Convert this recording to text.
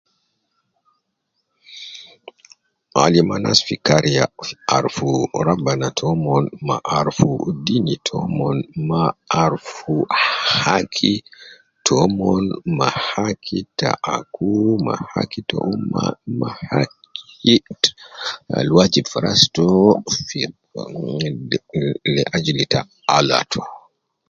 Alim anas fi kariya fi arufu rabbana tomon, ma arufu deeni tomon, ma arufu haaki tomon, ma haaki ta aku ma haaki ta umma, ma hak-ki ta al wajib fi ras tomon, le le ajili ta Allah to